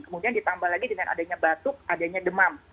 kemudian ditambah lagi dengan adanya batuk adanya demam